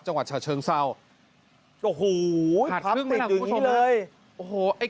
จังหวัดฉะเชิงเศร้าขาดครึ่งเลยครับคุณผู้ชม